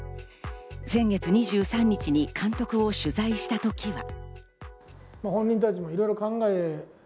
先月２３日に監督を取材した時は。